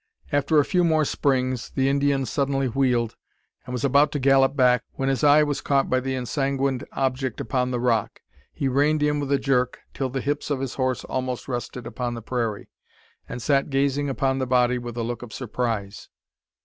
After a few more springs, the Indian suddenly wheeled, and was about to gallop back, when his eye was caught by the ensanguined object upon the rock. He reined in with a jerk, until the hips of his horse almost rested upon the prairie, and sat gazing upon the body with a look of surprise.